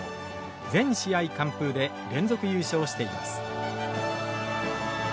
全試合完封で連続優勝しています。